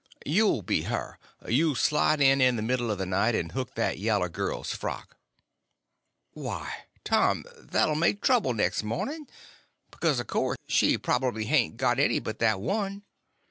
"You'll be her. You slide in, in the middle of the night, and hook that yaller girl's frock." "Why, Tom, that 'll make trouble next morning; because, of course, she prob'bly hain't got any but that one."